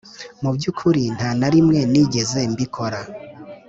Mu by ukuri nta na rimwe ningeze mbikora